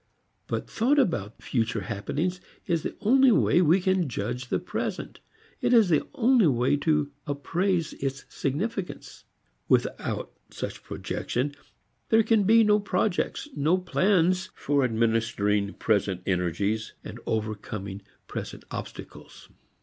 But thought about future happenings is the only way we can judge the present; it is the only way to appraise its significance. Without such projection, there can be no projects, no plans for administering present energies, overcoming present obstacles.